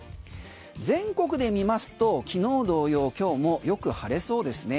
全国で見ますと昨日同様今日も良く晴れそうですね。